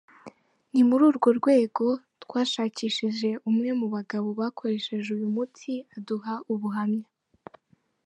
Ni muri urwo rwego twashakishije umwe mu bagabo bakoresheje uyu muti aduha ubuhamya .